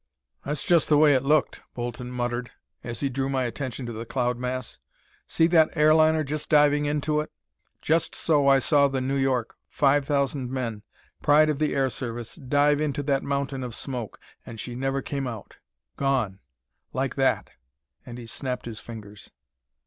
"That's just the way it looked," Bolton muttered, as he drew my attention to the cloud mass. "See that air liner just diving into it? Just so I saw the New York five thousand men pride of the Air Service dive into that mountain of smoke. And she never came out! Gone like that!" And he snapped his fingers.